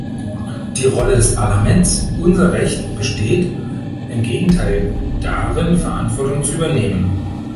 Die Rolle des Parlaments, unser Recht, besteht im Gegenteil darin, Verantwortung zu übernehmen.